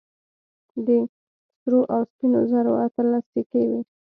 د سرو او سپينو زرو اتلس سيکې وې.